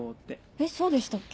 えっそうでしたっけ？